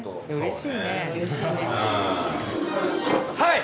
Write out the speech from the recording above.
はい！